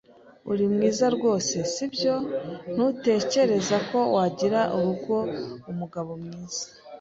Uri mwiza rwose, sibyo? Ntutekereza ko wagira urugo-umugabo mwiza?